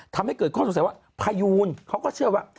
ทำให้เกิดข้อสงสัยว่าพยูนเขาก็เชื่อว่า